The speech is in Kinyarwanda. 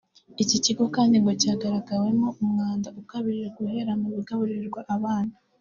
Iki kigo kandi ngo cyagaragayemo umwanda ukabije guhera mu bigaburirwa abana